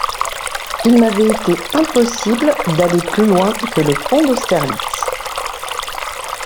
Il m’avait été impossible d’aller plus loin que le pont d’Austerlitz.